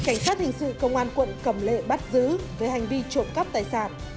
cảnh sát hình sự công an quận cầm lệ bắt giữ về hành vi trộm cắp tài sản